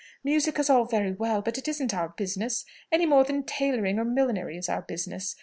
Music is all very well, but it isn't our business, any more than tailoring or millinery is our business.